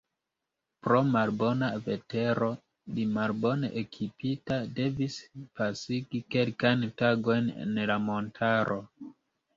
Pro malbona vetero li, malbone ekipita, devis pasigi kelkajn tagojn en la montaro.